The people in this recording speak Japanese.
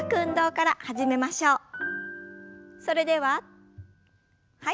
それでははい。